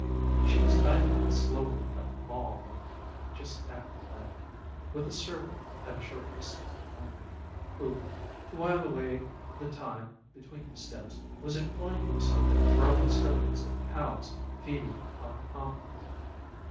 She was idling slowly up the Mall one evening just at twilight, with a servant at a short distance behind her, who, to while away the time between his steps, was employing himself in throwing stones at the cows feeding upon the Common.